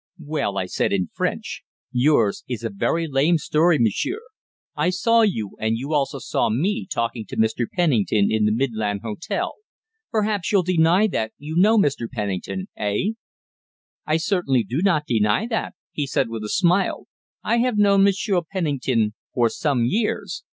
"Well," I said in French, "yours is a very lame story, monsieur. I saw you, and you also saw me talking to Mr. Pennington in the Midland Hotel. Perhaps you'll deny that you know Mr. Pennington eh?" "I certainly do not deny that," he said, with a smile. "I have known Monsieur Penning ton for some years.